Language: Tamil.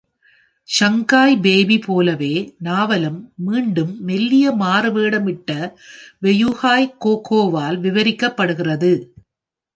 "ஷாங்காய் பேபி" போலவே, நாவலும் மீண்டும் மெல்லிய மாறுவேடமிட்ட வெயுஹாய் கோகோவால் விவரிக்கப்படுகிறது.